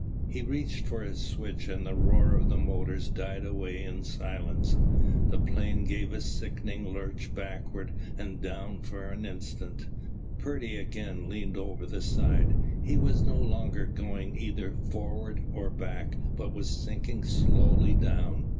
He reached for his switch and the roar of the motors died away in silence. The plane gave a sickening lurch backwards and down for an instant. Purdy again leaned over the side. He was no longer going either forward or back but was sinking slowly down.